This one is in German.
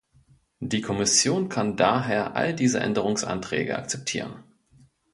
Die Kommission kann daher all diese Änderungsanträge akzeptieren.